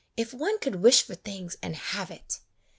If one could wish for things and have it!"